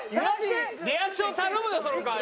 リアクション頼むよその代わり。